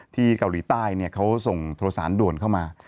ที่เกาหลีใต้เนี่ยเขาส่งโทรศาลด่วนเข้ามา